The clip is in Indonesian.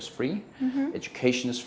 seperti perubahan anak